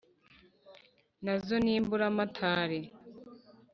nazo nimburamatare :